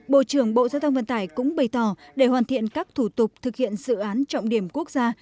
bộ trưởng bộ giao thông vận tải cũng bày tỏ để hoàn thiện các thủ tục thực hiện dự án trọng điểm quốc gia